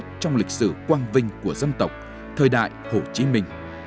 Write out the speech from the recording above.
trong lịch sử quang vinh của dân tộc thời đại hồ chí minh